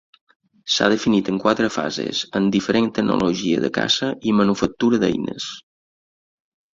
S'ha definit en quatre fases, amb diferent tecnologia de caça i manufactura d'eines.